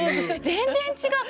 全然違う。